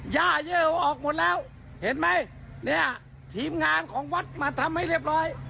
ย่าเยอะออกหมดแล้วเห็นไหมเนี่ยทีมงานของวัดมาทำให้เรียบร้อย